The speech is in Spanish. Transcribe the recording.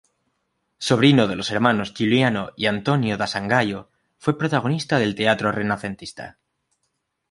Sobrino de los hermanos Giuliano y Antonio da Sangallo, fue protagonista del teatro renacentista.